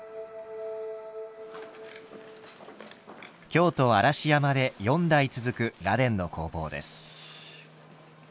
京都・嵐山で四代続く螺鈿の工房です。